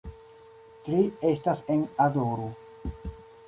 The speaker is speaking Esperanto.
Tri estas en "Adoru".